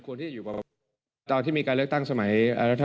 คือการขึ้นค่าแรงลักษณะนี้